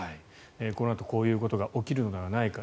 このあと、こういうことが起きるのではないか。